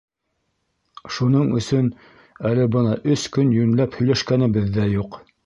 Шуның өсөн әле бына өс көн йүнләп һөйләшкәнебеҙ ҙә юҡ.